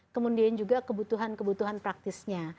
kemudian juga kebutuhan kebutuhan praktisnya